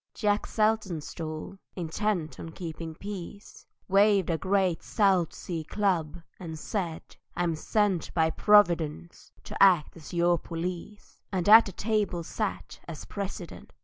Jack Saltonstall, intent on keeping peace, Waved a great South Sea club, and said, "I'm sent By Providence to act as your police;" And at the table sat as President.